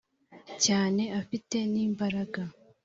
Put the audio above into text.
cyane afite ni mbaraga